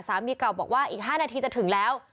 สามีเก่าบอกว่าอีก๕นาทีจะถึงแล้ว